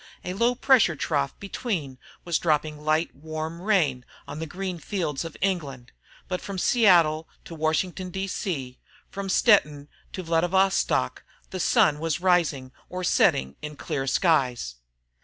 A low pressure trough between was dropping light warm rain on the green fields of England, but from Seattle to Washington, D. C, from Stettin to Vladivostock the sun was rising or setting in clear skies.